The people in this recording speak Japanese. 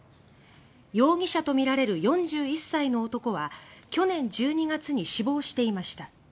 容疑者とみられる４１歳の男は去年１２月に死亡していました。